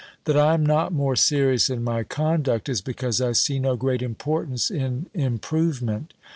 That I am not more OBERMANN 269 serious in my conduct is because I see no great importance in improvement.